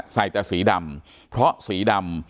ใส่แต่สีดำเพราะสีดำ